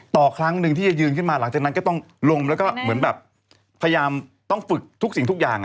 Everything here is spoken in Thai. ครั้งหนึ่งที่จะยืนขึ้นมาหลังจากนั้นก็ต้องลงแล้วก็เหมือนแบบพยายามต้องฝึกทุกสิ่งทุกอย่าง